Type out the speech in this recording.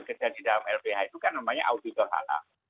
yang bekerja di dalam lph itu kan namanya auditor halal